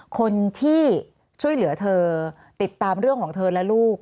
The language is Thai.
คนที่ช่วยเหลือเธอติดตามเรื่องของเธอและลูก